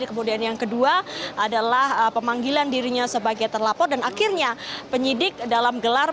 kemudian yang kedua adalah pemanggilan dirinya sebagai terlapor dan akhirnya penyidik dalam gelar